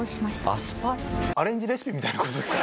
アレンジレシピみたいな事ですか？